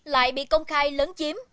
lại bị công khai lấn chiếm